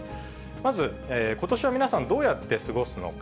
まずことしは皆さん、どうやって過ごすのか。